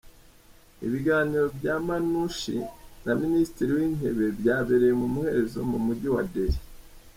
Ibiganiro bya Manushi na Ministiri w’intebe byabereye mu muhezo mu mujyi wa Delhi.